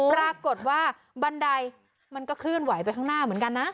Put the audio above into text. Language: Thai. ปรากฏว่าบันไดมันก็เคลื่อนไหวไปข้างหน้าเหมือนกันนะ